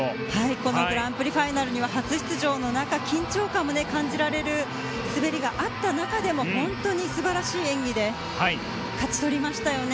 このグランプリファイナルには初出場の中緊張感も感じられる滑りがあった中でも本当に素晴らしい演技で勝ち取りましたよね。